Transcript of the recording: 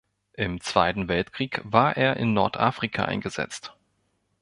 Im Zweiten Weltkrieg war er in Nordafrika eingesetzt.